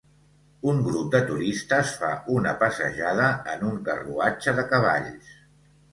Un grup de turistes fa una passejada en un carruatge de cavalls.